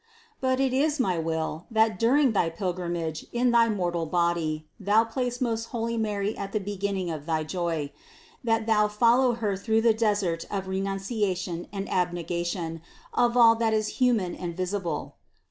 But it is my will, that during thy pilgrimage in thy mortal body thou place most holy Mary as the beginning of thy joy, and that thou follow Her through the desert of re 360 THE CONCEPTION 361 nunciation and abnegation of all that is human and visible.